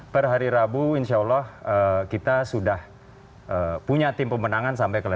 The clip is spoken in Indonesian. per hari rabu insya allah kita sudah punya tim pemenangan sampai ke level